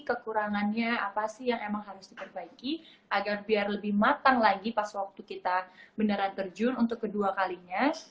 kekurangannya apa sih yang emang harus diperbaiki agar biar lebih matang lagi pas waktu kita beneran terjun untuk kedua kalinya